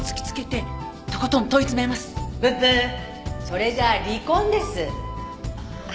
それじゃあ離婚です」